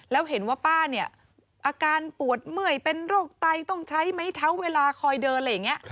แล้วเห็นว่าป้าเนี่ยอาการปวดเมื่อยเป็นโรคไตต้องใช้ไม้เท้าเวลาคอยเดินอะไรอย่างนี้